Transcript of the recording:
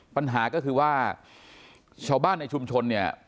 ปัญหาก็คือว่าชาวบ้านในชุมชนเนี่ย